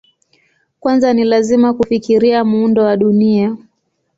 Kwanza ni lazima kufikiria muundo wa Dunia.